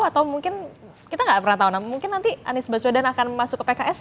atau mungkin kita nggak pernah tahu mungkin nanti anies baswedan akan masuk ke pks